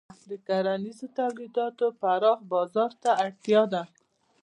د کرنیزو تولیداتو پراخ بازار ته اړتیا ده.